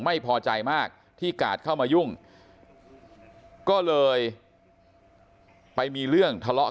ไม่พอใจมากที่กาดเข้ามายุ่งก็เลยไปมีเรื่องทะเลาะ